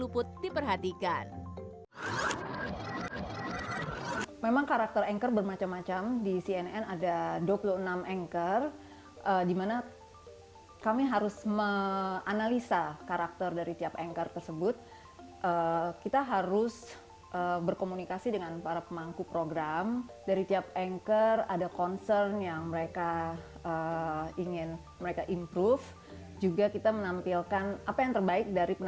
pernah menjabat sebagai kepala bidang hubungan masyarakat